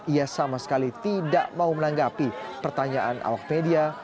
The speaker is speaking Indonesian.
ia sama sekali tidak mau menanggapi pertanyaan awak media